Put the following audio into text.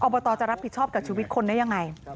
บตจะรับผิดชอบกับชีวิตคนได้ยังไง